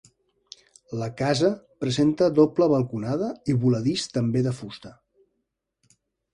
La casa presenta doble balconada i voladís també de fusta.